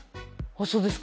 そうですか。